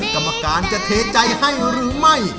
กรรมการจะเทใจให้หรือไม่